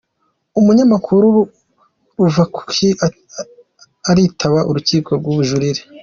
Umunyamakuru Ruvakuki aritaba Urukiko rw’Ubujurire